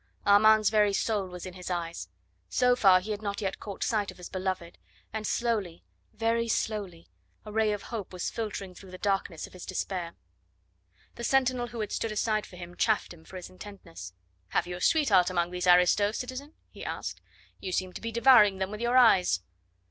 Armand's very soul was in his eyes. So far he had not yet caught sight of his beloved, and slowly very slowly a ray of hope was filtering through the darkness of his despair. The sentinel, who had stood aside for him, chaffed him for his intentness. "Have you a sweetheart among these aristos, citizen?" he asked. "You seem to be devouring them with your eyes."